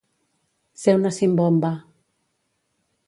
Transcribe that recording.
Ser una simbomba.